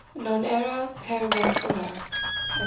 "Non era per ventura," etc.